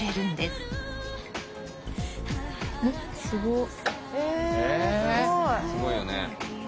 すごいよね。